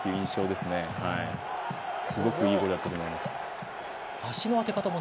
すごくいいゴールだと思います。